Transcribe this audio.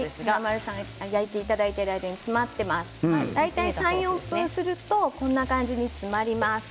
大体３、４分するとここまで詰まります。